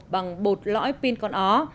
bằng bột lõi pin con ó